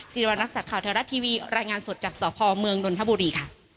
สินวัลนักศักดิ์ข่าวแถวรัดทีวีรายงานสดจากสพเมืองนนทบุรี